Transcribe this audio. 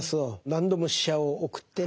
何度も使者を送ってね